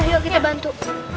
yuk kita bantu